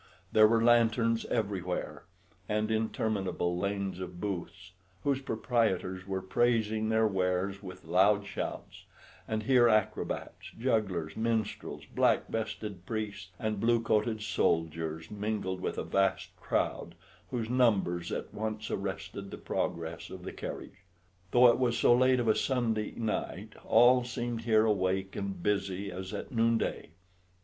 There were lanterns everywhere, and interminable lanes of booths, whose proprietors were praising their wares with loud shouts; and here acrobats, jugglers, minstrels, black vested priests, and blue coated soldiers mingled with a vast crowd whose numbers at once arrested the progress of the carriage. Though it was so late of a Sunday night, all seemed here awake and busy as at noonday.